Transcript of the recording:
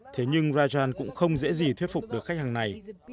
thế nhưng rajan cũng không dễ gì thuyết phục được khách hàng này